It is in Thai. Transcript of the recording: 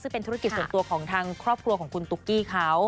ซึ่งเป็นธุรกิจส่วนตัวของทางครอบครัวของคุณตุ๊กกี้เขา